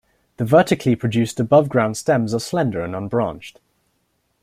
The vertically produced above-ground stems are slender and unbranched.